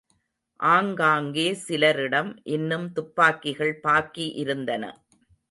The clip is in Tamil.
ஆங்காங்கே சிலரிடம் இன்னும் துப்பாக்கிகள் பாக்கி இருந்தன.